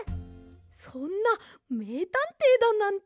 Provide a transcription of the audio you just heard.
そんなめいたんていだなんて。